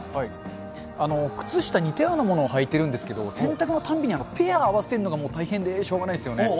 靴下、似たようなもの履いてるんですけど、洗濯のたんびにペア合わせるのが大変でしょうがないですよね。